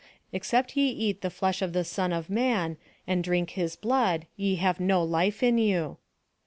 "Except ye eat the flesh of the Son of man and drink his blood ye have no life in you."